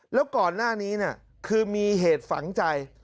แล้วก่อนหน้านี้คือมีเหตุฝังใจ